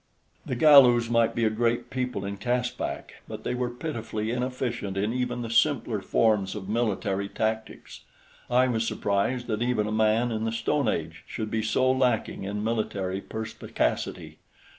The Galus might be a great people in Caspak; but they were pitifully inefficient in even the simpler forms of military tactics. I was surprised that even a man of the Stone Age should be so lacking in military perspicacity.